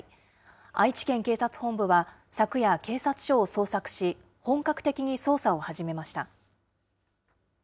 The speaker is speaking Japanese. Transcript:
愛知県警察本部は、昨夜、警察署を捜索し、本格的に捜査を始めました。